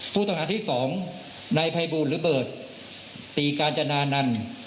ผู้ต้องหาที่๒นายภัยบูลหรือเบิร์ตตีกาญจนานันต์